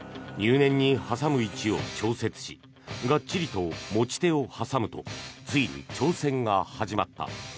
入念に挟む位置を調節しがっちりと持ち手を挟むとついに挑戦が始まった。